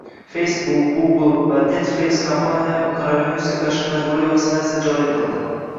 Facebook, Google va Netflix kompaniyalari koronavirusga qarshi majburiy vaksinatsiya joriy qildi